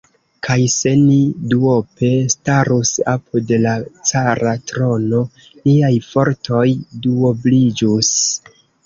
Kaj se ni duope starus apud la cara trono, niaj fortoj duobliĝus!